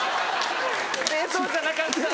冷凍じゃなかった。